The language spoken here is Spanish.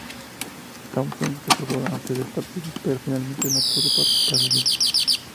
Thompson se probó antes del partido, pero finalmente no pudo participar del mismo.